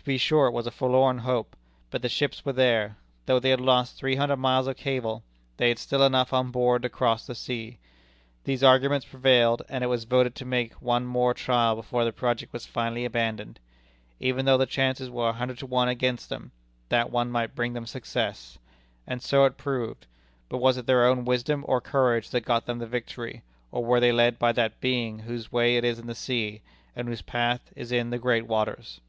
To be sure, it was a forlorn hope. But the ships were there. Though they had lost three hundred miles of cable, they had still enough on board to cross the sea. These arguments prevailed, and it was voted to make one more trial before the project was finally abandoned. Even though the chances were a hundred to one against them, that one might bring them success. And so it proved. But was it their own wisdom or courage that got them the victory, or were they led by that Being whose way is in the sea, and whose path is in the great waters?